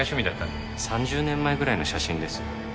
３０年前ぐらいの写真ですね。